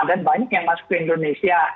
dan banyak yang masuk ke indonesia